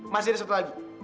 masih ada satu lagi